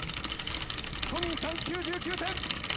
ソニンさん９９点。